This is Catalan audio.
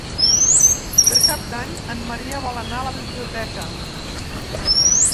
Per Cap d'Any en Maria vol anar a la biblioteca.